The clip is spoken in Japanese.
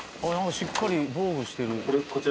しっかり防護してる。